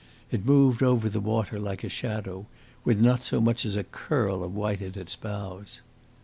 It moved over the water like a shadow, with not so much as a curl of white at its bows.